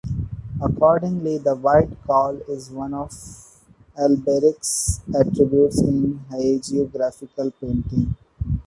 Accordingly, the white cowl is one of Alberic's attributes in hagiographical paintings.